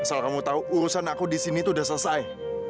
asal kamu tau urusan aku disini tuh udah selesai